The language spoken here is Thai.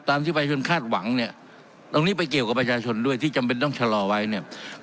ที่ประชาชนคาดหวังเนี่ยตรงนี้ไปเกี่ยวกับประชาชนด้วยที่จำเป็นต้องชะลอไว้เนี่ย